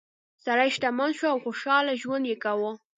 سړی شتمن شو او خوشحاله ژوند یې کاوه.